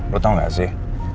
lo tau gak sih